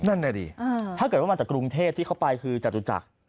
นั่นแหละดิถ้าเกิดว่ามาจากกรุงเทพที่เขาไปคือจตุจักร